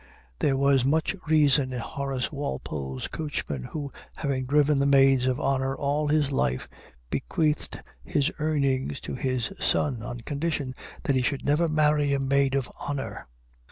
There was much reason in Horace Walpole's coachman, who, having driven the maids of honor all his life, bequeathed his earnings to his son, on condition that he should never marry a maid of honor.